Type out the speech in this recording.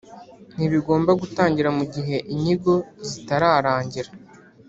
ntibigomba gutangira mu gihe inyigo zitararangira